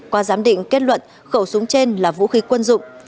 qua giám định kết luận khẩu súng trên là vũ khí quân dụng